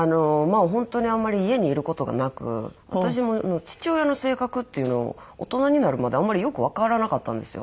本当にあんまり家にいる事がなく私も父親の性格っていうのを大人になるまであんまりよくわからなかったんですよ。